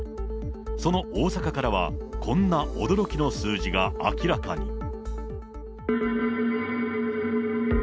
その大阪からは、こんな驚きの数字が明らかに。